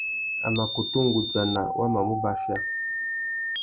A mà kutu nʼgudzana wa mà mù bachia.